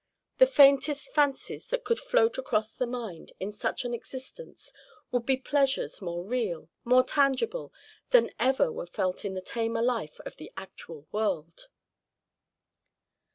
The faintest fancies that could float across the mind in such an existence would be pleasures more real, more tangible, than ever were felt in the tamer life of the actual world."